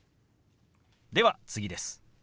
では次です。